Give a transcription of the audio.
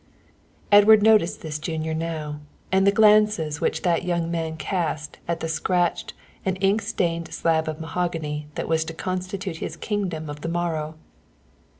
Edward noticed this junior now and the glances which that young man cast at the scratched and ink stained slab of mahogany that was to constitute his kingdom of the morrow.